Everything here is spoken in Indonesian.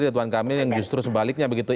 retuan kami yang justru sebaliknya begitu